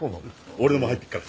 俺のも入ってるから。